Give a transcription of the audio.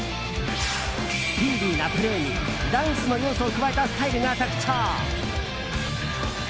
スピーディーなプレーにダンスの要素を加えたスタイルが特徴。